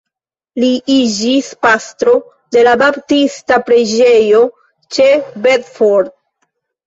Li iĝis pastro de la baptista preĝejo ĉe Bedford.